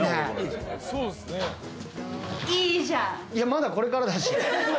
まだこれからだし。